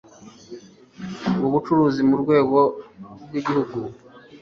mu bucuruzi mu rwego rw igihugu